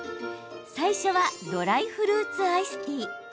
最初はドライフルーツアイスティー。